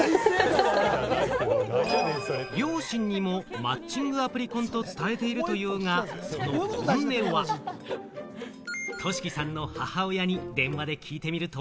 両親にもマッチングアプリ婚と伝えているというが、その本音は。としきさんの母親に電話で聞いてみると。